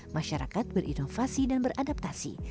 masyarakat berinovasi dan beradaptasi